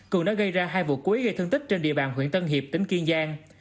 cường đã gây ra hai vụ cuối gây thân tích trên địa bàn huyện tân hiệp tỉnh kiên giang